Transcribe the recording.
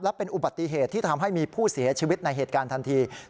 และเป็นอุบัติเหตุที่ทำให้มีผู้เสียชีวิตในเหตุการณ์ทันที